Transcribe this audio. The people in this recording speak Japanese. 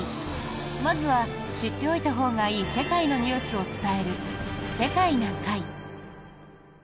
まずは、知っておいたほうがいい世界のニュースを伝える「世界な会」。